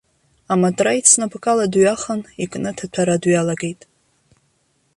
Аматра ицнапыкала дҩахан, икны аҭаҭәара дҩалагеит.